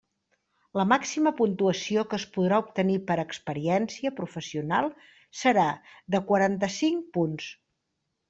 La màxima puntuació que es podrà obtenir per experiència professional serà de quaranta-cinc punts.